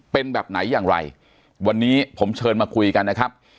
เป็นแบบไหนอย่างไรวันนี้ผมเชิญมาคุยกันนะครับ